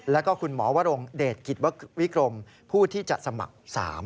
แล้วก็คุณหมอวรงเดชกิจวิกรมผู้ที่จะสมัคร๓